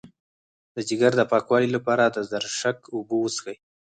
د ځیګر د پاکوالي لپاره د زرشک اوبه وڅښئ